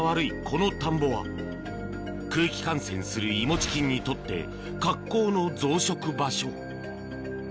この田んぼは空気感染するいもち菌にとって格好の増殖場所